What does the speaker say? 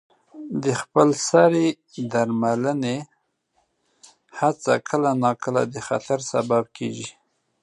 د خپل سرې درملنې هڅه کله ناکله د خطر سبب کېږي.